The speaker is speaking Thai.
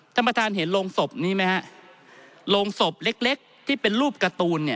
ท่านประธานเห็นโรงศพนี้ไหมฮะโรงศพเล็กเล็กที่เป็นรูปการ์ตูนเนี่ย